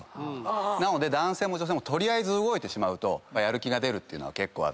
なので男性も女性も取りあえず動いてしまうとやる気が出るって結構あって。